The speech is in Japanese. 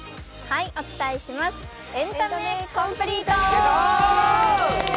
お伝えします、「エンタメコンプリート」！